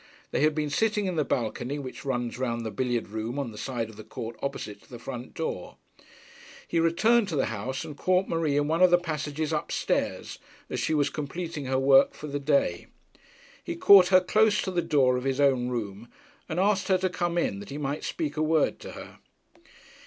They had been sitting in the balcony which runs round the billiard room on the side of the court opposite to the front door. He returned to the house, and caught Marie in one of the passages up stairs, as she was completing her work for the day. He caught her close to the door of his own room and asked her to come in, that he might speak a word to her.